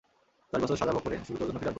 দশ বছর সাজা ভোগ করে, শুধু তোর জন্য ফিরে আসব।